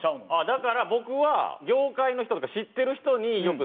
だから僕は業界の人とか知ってる人によくナメられる。